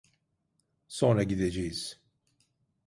Sonra gideceğiz.